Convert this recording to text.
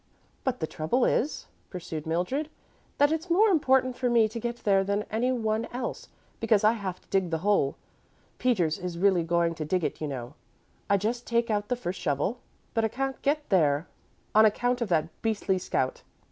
"But the trouble is," pursued Mildred, "that it's more important for me to get there than any one else, because I have to dig the hole, Peters is really going to dig it, you know; I just take out the first shovelful, but I can't get there on account of that beastly scout.